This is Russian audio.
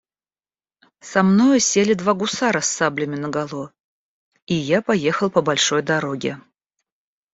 Со мною сели два гусара с саблями наголо, и я поехал по большой дороге.